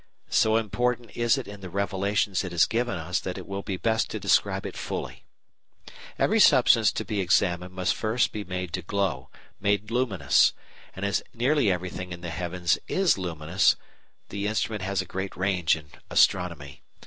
So important is it in the revelations it has given us that it will be best to describe it fully. Every substance to be examined must first be made to glow, made luminous; and as nearly everything in the heavens is luminous the instrument has a great range in Astronomy.